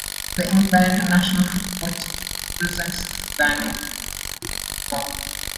The England national football team represents England in international football.